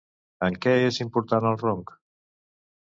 En què és important el ronc?